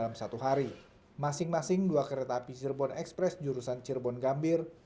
masing masing dua kereta api cirebon express jurusan cirebon gambir